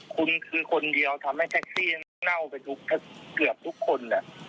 คุณคือคนเดียวทำให้แท็กซี่เน่าไปเกือบทุกคนแหละ